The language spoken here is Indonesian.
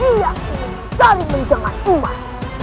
dia ingin mencari menjangan umat